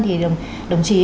thì đồng chí